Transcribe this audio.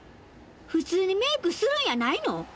普通にメイクするんやないの？